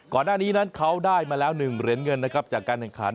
ก่อนหน้านี้นั้นเขาได้มาแล้ว๑เหรียญเงินนะครับ